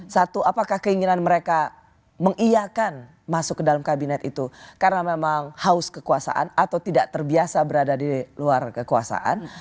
satu apakah keinginan mereka mengiakan masuk ke dalam kabinet itu karena memang haus kekuasaan atau tidak terbiasa berada di luar kekuasaan